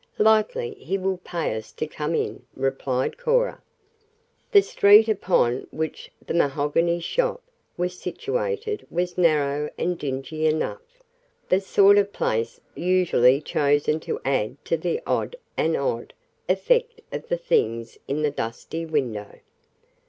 Likely he will pay us to come again," replied Cora. The street upon which "the mahogany shop" was situated was narrow and dingy enough the sort of place usually chosen to add to the "old and odd" effect of the things in the dusty window.